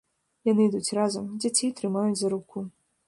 Яны ідуць разам, дзяцей трымаюць за руку.